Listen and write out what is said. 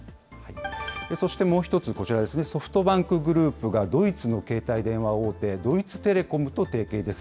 そしてもう一つ、こちらですね、ソフトバンクグループがドイツの携帯電話大手、ドイツテレコムと提携です。